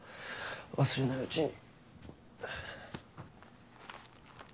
忘れないうちに。